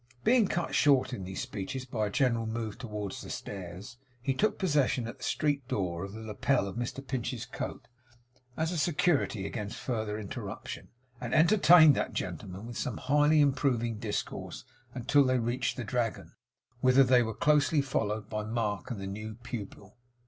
Being cut short in these speeches by a general move towards the stairs, he took possession at the street door of the lapel of Mr Pinch's coat, as a security against further interruption; and entertained that gentleman with some highly improving discourse until they reached the Dragon, whither they were closely followed by Mark and the new pupil.